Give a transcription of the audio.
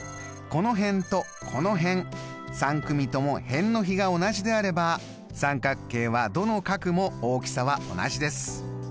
３組とも辺の比が同じであれば三角形はどの角も大きさは同じです。